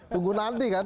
tunggu nanti kan